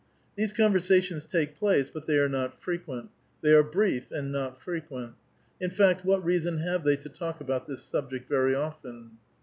These conversations take place, but thej' are not frequent. Tliey are brief, and not frequent. In fact, what reason have they to talk about this subject very often